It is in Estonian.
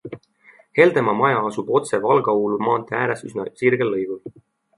Heldemaa maja asub otse Valga-Uulu maantee ääres üsna sirgel lõigul.